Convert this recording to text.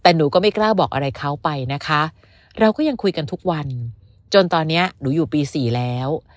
แต่หนูก็ไม่กล้าบอกอะไรเขาไปนะคะเราก็ยังคุยกันทุกวันจนตอนนี้หนูอยู่ปี๔แล้ว